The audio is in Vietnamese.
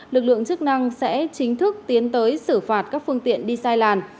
lực lượng chức năng sẽ chính thức tiến tới xử phạt các phương tiện đi sai làn